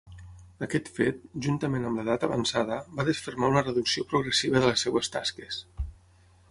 Aquest fet, juntament amb l'edat avançada, va desfermar una reducció progressiva de les seves tasques.